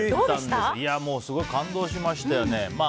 すごい感動しましたよね。